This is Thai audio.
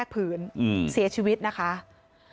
อาจจะหน้ามืดหรือว่านั่งแล้วหงายหลังพลาดท่า